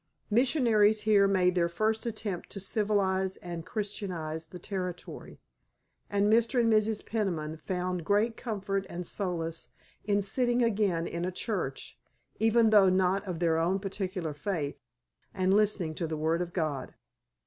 Missionaries here made their first attempt to civilize and Christianize the Territory, and Mr. and Mrs. Peniman found great comfort and solace in sitting again in a church, even though not of their own particular faith, and listening to the word of God.